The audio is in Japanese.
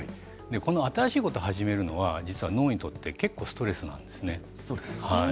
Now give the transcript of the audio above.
この新しいことを始めるのは脳にとって結構ストレスなんですね。